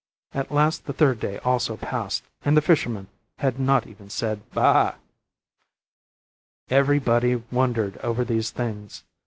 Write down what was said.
At last the third day also passed, and the fisherman had not even said baa. Every body wondered over these things.